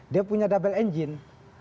dia punya double engine